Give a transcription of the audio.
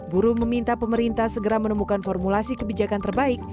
buruh meminta pemerintah segera menemukan formulasi kebijakan terbaik